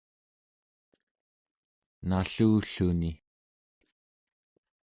nallulluni